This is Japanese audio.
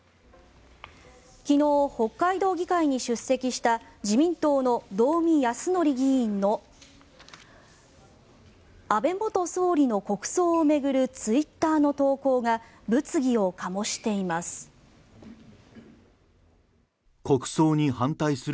昨日、北海道議会に出席した自民党の道見泰憲議員の安倍元総理の国葬を巡るツイッターの投稿が物議をかもしています。